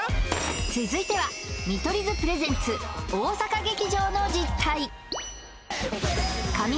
続いては見取り図プレゼンツ大阪劇場の実態